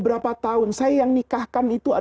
berapa tahun saya yang nikahkan itu